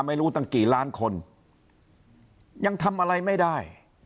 ไม่รู้ตั้งกี่ล้านคนยังทำอะไรไม่ได้